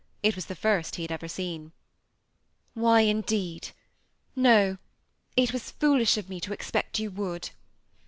It was the first he had ever seen. ^ Why, indeed ? No, it was foolish of me to expect you woold.